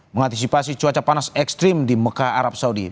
mengantisipasi cuaca panas ekstrim di mekah arab saudi